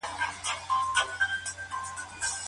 ماشومانو ته د زده کړې مناسب فرصتونه برابر کړئ.